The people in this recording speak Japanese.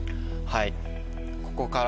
はい。